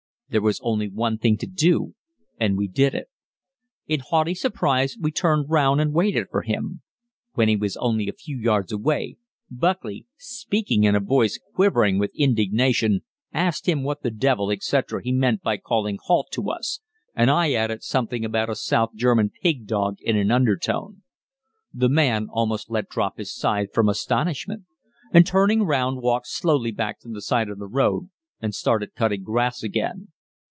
There was only one thing to do, and we did it. In haughty surprise we turned round and waited for him. When he was only a few yards away, Buckley, speaking in a voice quivering with indignation, asked him what the devil, etc., he meant by calling "Halt!" to us; and I added something about a South German pig dog in an undertone. The man almost let drop his scythe from astonishment, and turning round walked slowly back to the side of the road and started cutting grass again.